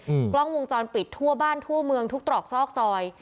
กล้องวงจรปิดทั่วบ้านทั่วเมืองทุกตรอกซอกซอย